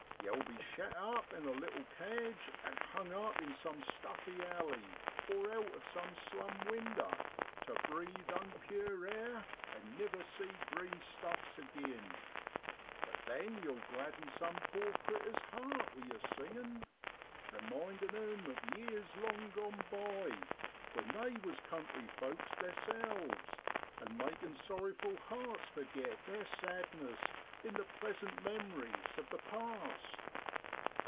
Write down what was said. yow'll be shet up in a little cage an' hung up in some stuffy alley or out of some slum winder, tu breathe unpure air, and SEPTEMBER IN BPOADLAND. 93 niver see green stuffs agin, but then yow'll gladden some poor critter's heart with your singin', remindin' 'em of yeers long gone by when they was country folks theerselves, and makin' sorryful hearts forget theer sadness in the pleasant mem'ries of the past.